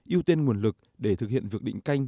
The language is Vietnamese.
ưu tiên nguồn lực để thực hiện việc định canh